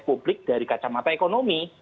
publik dari kacamata ekonomi